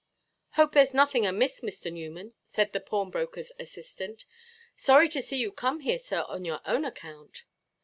"Hope thereʼs nothing amiss, Mr. Newman," said the pawnbrokerʼs assistant; "sorry to see you come here, sir, on your own account."